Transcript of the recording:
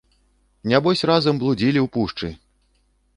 Нябось разам блудзілі ў пушчы!